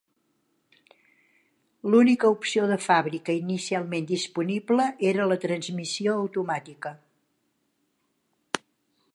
L'única opció de fàbrica inicialment disponible era la transmissió automàtica.